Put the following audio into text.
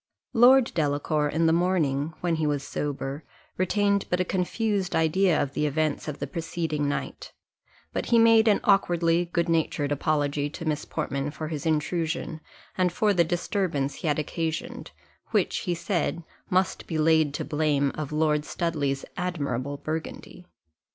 Lord Delacour, in the morning, when he was sober, retained but a confused idea of the events of the preceding night; but he made an awkwardly good natured apology to Miss Portman for his intrusion, and for the disturbance he had occasioned, which, he said, must be laid to the blame of Lord Studley's admirable burgundy.